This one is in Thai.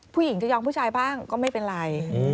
ผู้หญิงจะยอมผู้ชายบ้างก็ไม่เป็นไร